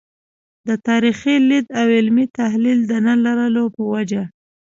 د تاریخي لید او علمي تحلیل د نه لرلو په وجه.